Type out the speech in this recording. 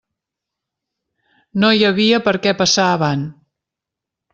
No hi havia per què passar avant.